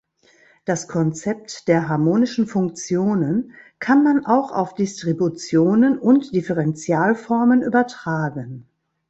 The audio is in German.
Das Konzept der harmonischen Funktionen kann man auch auf Distributionen und Differentialformen übertragen.